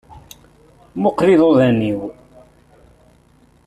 Muqel iḍuḍan-iw.